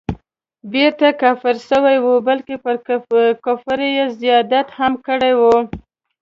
بیرته کافر سوی وو بلکه پر کفر یې زیادت هم کړی وو.